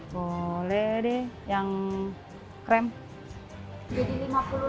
boleh deh yang krem jadi lima puluh